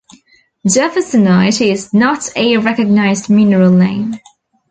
Jeffersonite is not a recognized mineral name.